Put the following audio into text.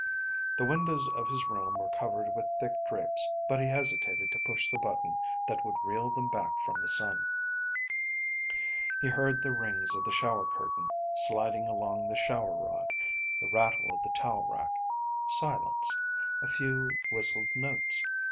The windows of his room were covered with thick drapes, but he hesitated to push the button that would reel them back from the sun. He heard the rings of the shower curtain sliding along the shower rod; the rattle of the towel rack; silence; a few whistled notes.